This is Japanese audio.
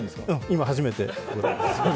今初めて。